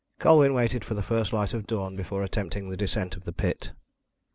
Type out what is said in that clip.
Colwyn waited for the first light of dawn before attempting the descent of the pit.